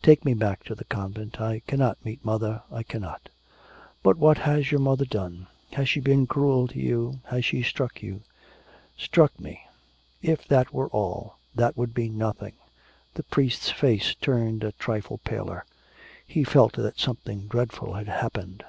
Take me back to the convent. I cannot meet mother. I cannot.' 'But what has your mother done; has she been cruel to you has she struck you?' 'Struck me! if that were all! that would be nothing.' The priest's face turned a trifle paler. He felt that something dreadful had happened.